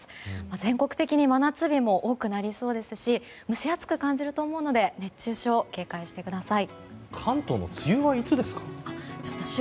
全国的に真夏日も多くなりそうですし蒸し暑く感じると思うので熱中症に警戒してください。